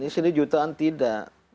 di sini jutaan tidak